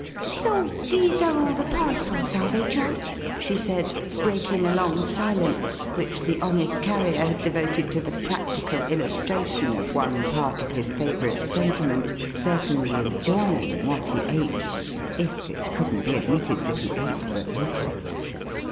"So, these are all the parcels, are they, John?" she said: breaking a long silence, which the honest Carrier had devoted to the practical illustration of one part of his favourite sentiment certainly enjoying what he ate, if it couldn't be admitted that he ate but little.